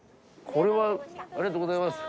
ありがとうございます。